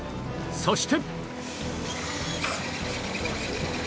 そして